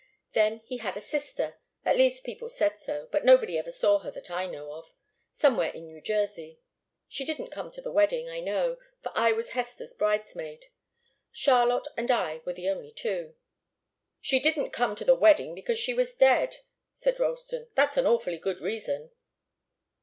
Then he had a sister at least, people said so, but nobody ever saw her that I know of somewhere in New Jersey. She didn't come to the wedding, I know, for I was Hester's bridesmaid. Charlotte and I were the only two." "She didn't come to the wedding because she was dead," said Ralston. "That's an awfully good reason."